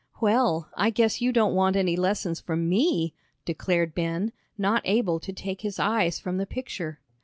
"Well, I guess you don't want any lessons from me," declared Ben, not able to take his eyes from the picture.